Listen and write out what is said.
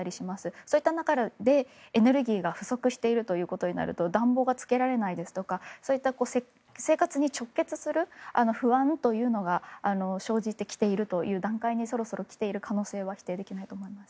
そういう中でエネルギーが不足しているということになると暖房がつけられないですとかそういった生活に直結する不安というのが生じてきているという段階にそろそろ来ている可能性は否定できないと思います。